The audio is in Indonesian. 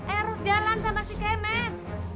eros jalan sama si kemet